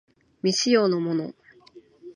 未使用のもの